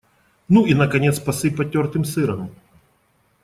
Ну и, наконец, посыпать тёртым сыром.